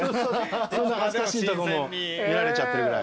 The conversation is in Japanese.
そんな恥ずかしいとこも見られちゃってるぐらい。